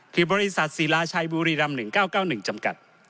คือบริษัทศิลาชัยบุรีรำ๑๙๙๑จำกัด